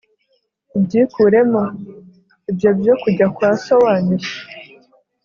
ubyikuremo ibyo byo kujya kwa so wanyu?